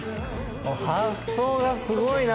発想がすごいな！